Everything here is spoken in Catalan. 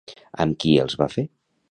Amb qui els va fer?